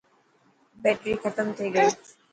بيٽري ختم ٿي گئي.